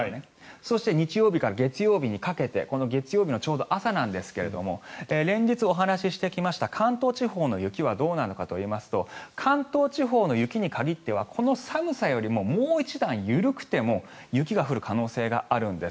そして日曜日から月曜日にかけて月曜日のちょうど朝なんですが連日お話してきました関東地方の雪はどうなのかといいますと関東地方の雪に限ってはこの寒さよりももう一段緩くても雪が降る可能性があるんです。